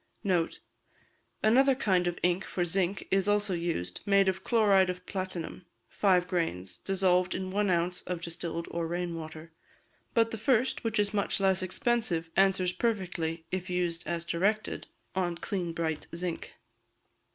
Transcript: Note. Another kind of ink for zinc is also used, made of chloride of platinum, five grains, dissolved in one ounce of distilled or rain water; but the first, which is much less expensive, answers perfectly, if used as directed, on clean bright zinc.